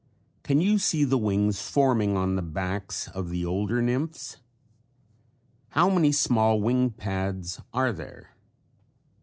Can you see the wings forming on the backs of the older nymphs? How many small wing pads are there?